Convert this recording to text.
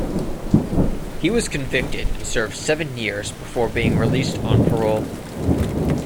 He was convicted and served seven years before being released on parole.